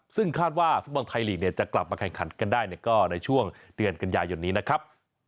ซึ่งคาดว่าฟุตบอลไทยลีกเนี่ยจะกลับมาแข่งขันกันได้ก็ในช่วงเดือนกันยายนนี้นะครับ